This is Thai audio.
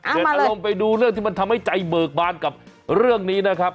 อารมณ์ไปดูเรื่องที่มันทำให้ใจเบิกบานกับเรื่องนี้นะครับ